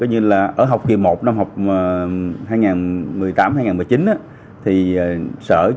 ở học kỳ một năm học